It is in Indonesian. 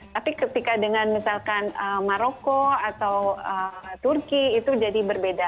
tapi ketika dengan misalkan maroko atau turki itu jadi berbeda